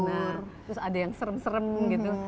terus ada yang serem serem gitu